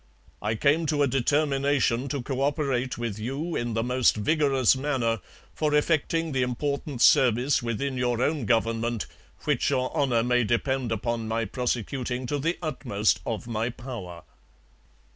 ...I came to a determination to co operate with you in the most vigorous manner, for effecting the important service within your own Government, which Your Honour may depend upon my prosecuting to the utmost of my power.'